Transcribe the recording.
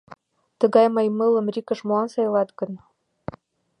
Тыгай маймылым РИК-ыш молан сайлат гын?